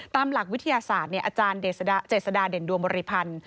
ตามหลักวิทยาศาสตร์อาจารย์เจษฎาเด่นดวงบริพันธ์